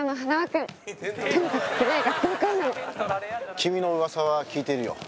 君の噂は聞いているよ。